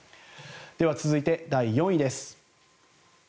続いて第４位です。